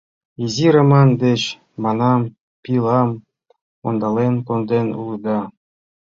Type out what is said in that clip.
Изи Роман деч, — манам, — пилам ондален конден улыда.